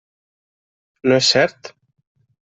No és cert?